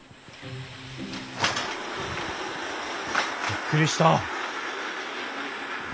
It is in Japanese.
びっくりした。